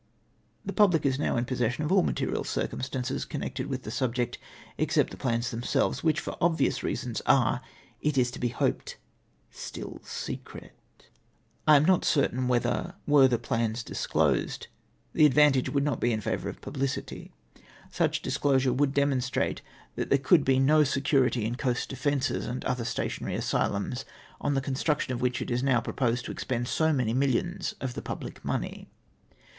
The public is now in possession of all material cir cumstances comiected with the subject, except the plans themselves, which, for obvious reasons, are, it is to be hoped, still secret. THEIR SOCIAL EFFECT. 241 I am not certain whether — were the plans disclosed — the advantage would not be in favour of pubhcity. Such disclosure would demonstrate that there could be no security in coast defences and other stationary asylums, on the construction of which it is now proposed to expend so many millions of the public money.